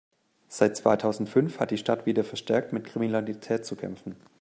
Seit zweitausendfünf hat die Stadt wieder verstärkt mit Kriminalität zu kämpfen.